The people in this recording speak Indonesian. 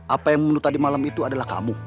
apa yang menuduh tadi malam itu adalah kamu